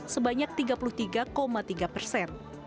sebanyak tiga puluh tiga tiga persen